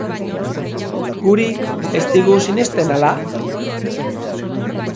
Guri ez digu sinesten, ala?